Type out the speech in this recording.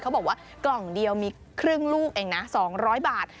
เขาบอกว่ากล่องเดียวมีครึ่งลูกเองนะ๒๐๐บาท